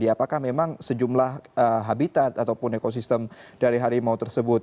apakah memang sejumlah habitat ataupun ekosistem dari harimau tersebut